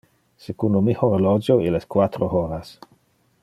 Secundo mi horologio, il es quatro horas.